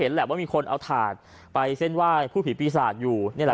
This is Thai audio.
เธอก็เชื่อว่ามันคงเป็นเรื่องความเชื่อที่บรรดองนำเครื่องเส้นวาดผู้ผีปีศาจเป็นประจำ